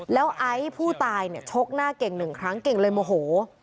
แล้วไอซ์ผู้ตายเนี่ยชกหน้าเก่งหนึ่งครั้งเก่งเลยโมโห